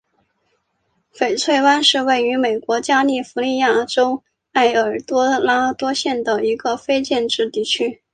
翡翠湾是位于美国加利福尼亚州埃尔多拉多县的一个非建制地区。